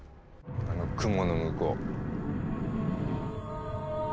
あの雲の向こう。